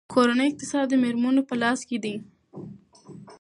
کورنۍ اقتصاد د میرمنو په لاس کې دی.